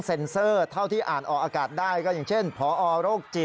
พี่บุ๊คอ่านออกอากาศได้ก็อย่างเช่นพอโรคจิต